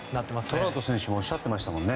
トラウト選手もおっしゃってましたもんね。